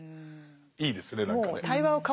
いいですね何かね。